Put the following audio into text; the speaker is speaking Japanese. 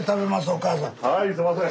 はいすいません。